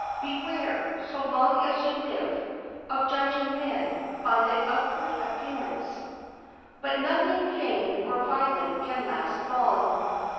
Beware, so long as you live, of judging men by the outward appearance. But nothing feigned or violent can last long.